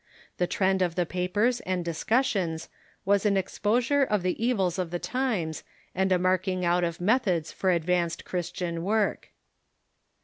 The trend of the papers and discussions was an exposure of the evils of the times, and a marking out of methods for advanced Christian work.